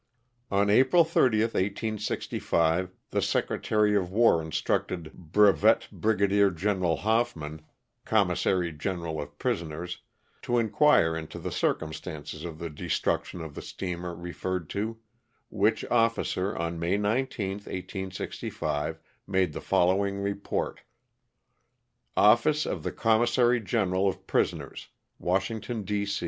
On April 30, 1865, the Secretary of War instructed Brevet Brigadier General Hoffman, commissary general of prisoners', to inquire into the circumstances of the destruction of the steamer referred to, which officer, on May 19, 1865, mad© the following report :«' Office of the Commissary General of Prisoners, Washington, D.